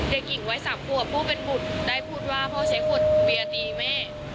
เด็กหญิงวัย๓ขวบผู้เป็นบุตรได้พูดว่าพ่อใช้ขวดเบียร์ตีแม่